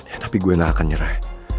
ya tapi gue gak akan nyerah